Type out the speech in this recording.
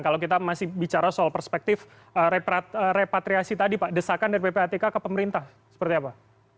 kalau kita masih bicara soal perspektif repatriasi tadi pak desakan dari ppatk ke pemerintah seperti apa